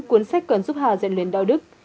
cuốn sách còn giúp hà diện luyện đạo đức